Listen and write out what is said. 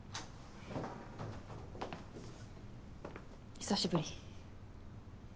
久しぶり。